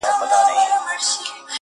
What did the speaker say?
چي شهپر مي تر اسمان لاندي را خپور سي-